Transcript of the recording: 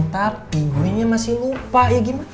tapi gue masih lupa ya gimana